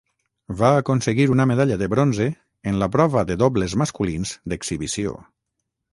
Va aconseguir una medalla de bronze en la prova de dobles masculins d'exhibició.